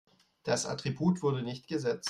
Das Attribut wurde nicht gesetzt.